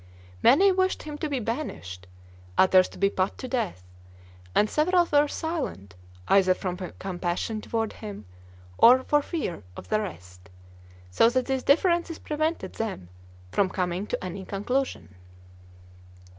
Many wished him to be banished, others to be put to death, and several were silent, either from compassion toward him or for fear of the rest, so that these differences prevented them from coming to any conclusion.